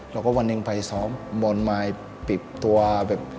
แล้วก็วันหนึ่งไปซ้อมบอลมายปิดตัวแบบ